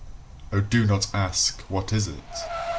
.. Oh, do not ask, "What is it?"